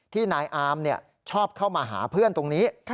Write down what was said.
นายอามชอบเข้ามาหาเพื่อนตรงนี้